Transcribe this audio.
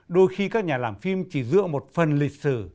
đôi khi các nhà làm phim chỉ dựa một phần lịch sử